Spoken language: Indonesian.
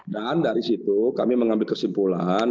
dan dari situ kami mengambil kesimpulan